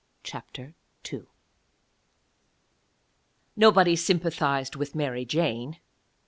Chapter II Nobody sympathised with Mary Jane.